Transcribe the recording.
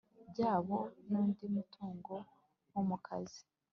byabo n undi mutungo wo mu kazi